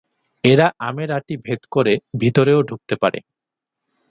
এরা আমের অাঁটি ভেদ করে ভিতরেও ঢুকতে পারে।